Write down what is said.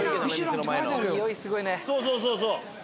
そうそうそうそう。